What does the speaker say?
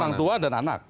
orang tua dan anak